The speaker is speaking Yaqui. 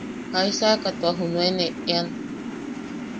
¿Jaisaka tua junuen eʼean?